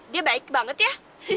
dia baik banget ya